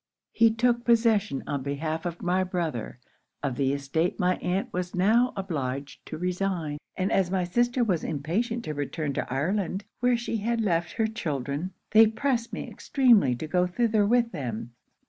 'He took possession on behalf of my brother of the estate my aunt was now obliged to resign; and as my sister was impatient to return to Ireland, where she had left her children, they pressed me extremely to go thither with them.